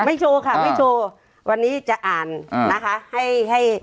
ไม่โชว์วันนี้จะอ่านนะคะ